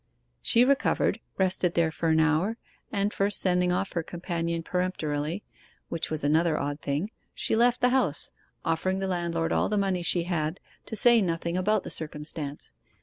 'She recovered, rested there for an hour, and first sending off her companion peremptorily (which was another odd thing), she left the house, offering the landlord all the money she had to say nothing about the circumstance.